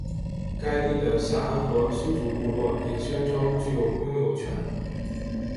该地的夏安河苏族部落也宣称具有拥有权。